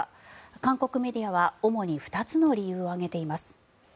韓国メディアは主に２つの理由を挙げています。